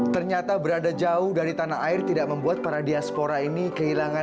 ternyata berada jauh dari tanah air tidak membuat para diaspora ini kehilangan